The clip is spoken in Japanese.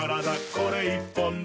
これ１本で」